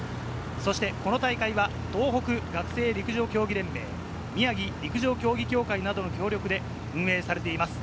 この大会は東北学生陸上競技連盟、宮城陸上競技協会などの協力で運営されています。